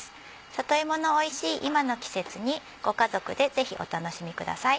里芋のおいしい今の季節にご家族でぜひお楽しみください。